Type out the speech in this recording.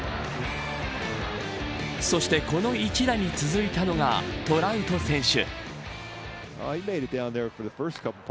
そして、この１打に続いたのがトラウト選手。